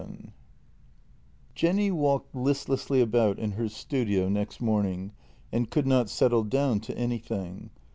VII J ENNY walked listlessly about in her studio next morning and could not settle down to anything.